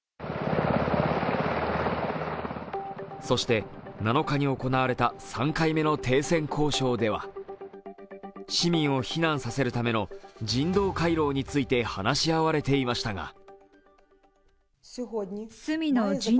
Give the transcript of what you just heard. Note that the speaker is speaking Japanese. そして７日に行われた３回目の停戦交渉では市民を避難させるための人道回廊について話し合われていましたが。